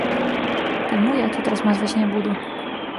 Таму я тут размазваць не буду.